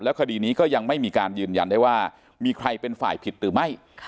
คดีนี้ก็ยังไม่มีการยืนยันได้ว่ามีใครเป็นฝ่ายผิดหรือไม่